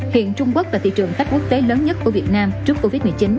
hiện trung quốc là thị trường khách quốc tế lớn nhất của việt nam trước covid một mươi chín